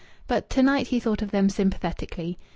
But to night he thought of them sympathetically.